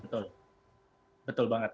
betul betul banget